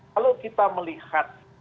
kalau kita melihat